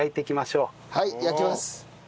はい焼きます！